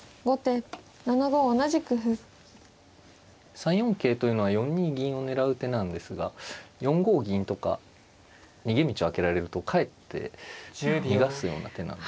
３四桂というのは４二銀を狙う手なんですが４五銀とか逃げ道をあけられるとかえって逃がすような手なので。